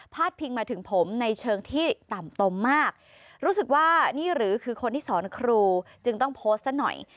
พิงมาถึงผมในเชิงที่ต่ำตมมากรู้สึกว่านี่หรือคือคนที่สอนครูจึงต้องโพสต์ซะหน่อย